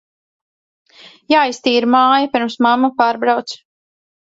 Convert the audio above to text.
Jāiztīra māja, pirms mamma pārbrauc.